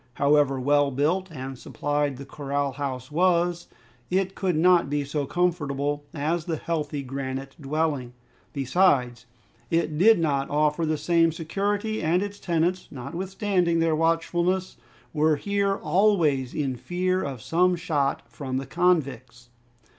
However well built and supplied the corral house was, it could not be so comfortable as the healthy granite dwelling. Besides, it did not offer the same security, and its tenants, notwithstanding their watchfulness, were here always in fear of some shot from the convicts.